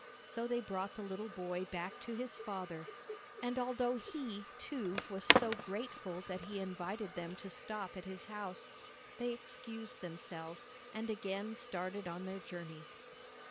So they brought the little boy back to his father, and although, he, too, was so grateful that he invited them to stop at his house, they excused themselves and again started on their journey.